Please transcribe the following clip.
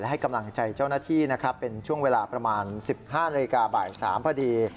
ให้กำลังใจเจ้าหน้าที่นะครับเป็นช่วงเวลาประมาณ๑๕นาฬิกาบ่าย๓พอดี